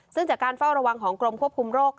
ซึ่งจากการเฝ้าระวังของกรมควบคุมโรค